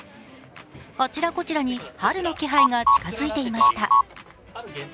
あちらこちらに春の気配が近づいていました。